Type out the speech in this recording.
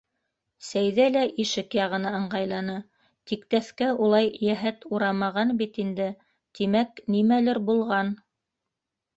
Сәйҙә лә ишек яғына ыңғайланы, тиктәҫкә улай йәһәт урамаған бит инде, тимәк, нимәлер булған.